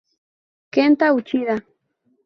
Kenta Uchida